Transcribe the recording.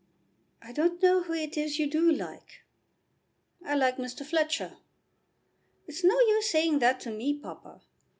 "I don't know who it is you do like." "I like Mr. Fletcher." "It's no use saying that to me, papa."